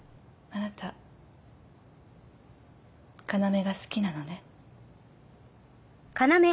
あなた要が好きなのね。